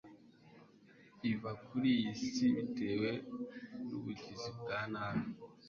iva kuri iyi si bitewe nubugizi bwa nabi